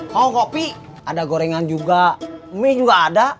mau kopi ada gorengan juga mie juga ada